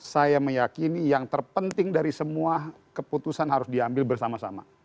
saya meyakini yang terpenting dari semua keputusan harus diambil bersama sama